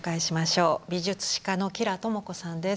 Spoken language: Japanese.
美術史家の吉良智子さんです。